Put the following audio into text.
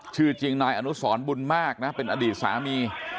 ชื่อจริงนายอนุสรบุญมากนะเป็นอดีตสามี